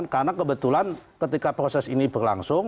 karena kebetulan ketika proses ini berlangsung